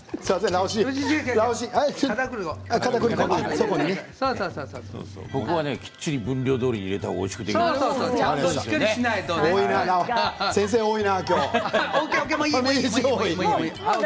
そこはきっちり分量どおりに入れた方がおいしくなる。